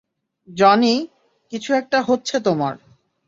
Johnny, কিছু একটা হচ্ছে তোমার।